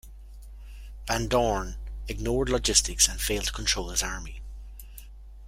Van Dorn ignored logistics and failed to control his army.